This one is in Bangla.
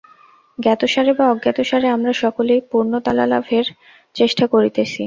জ্ঞাতসারে বা অজ্ঞাতসারে আমরা সকলেই পূর্ণতালাভের চেষ্টা করিতেছি।